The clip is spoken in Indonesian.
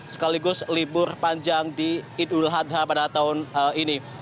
sekaligus libur panjang di idul adha pada tahun ini